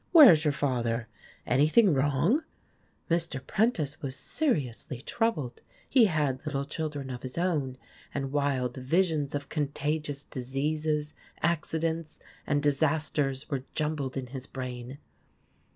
Where is your father? Anything wrong ?' Mr. Prentice was seriously troubled. He had little chil dren of his own, and wild visions of contagious diseases, accidents, and disasters were jumbled in his brain.